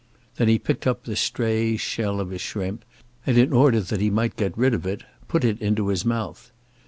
Then he picked up the stray shell of a shrimp, and in order that he might get rid of it, put it into his mouth.